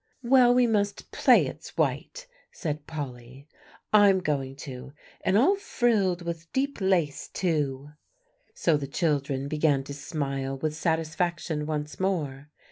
"Well, we must play it's white," said Polly. "I'm going to; and all frilled with deep lace, too." So the children began to smile with satisfaction once more.